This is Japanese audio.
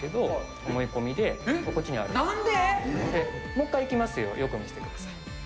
もう一回いきますよ、よく見ててください。